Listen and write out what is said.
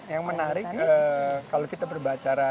yang menarik kalau kita berbicara